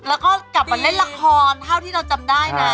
แล้วก็กลับมาเล่นละครเท่าที่เราจำได้นะ